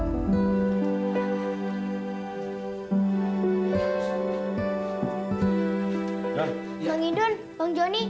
iya ibu mengerti perasaan kamu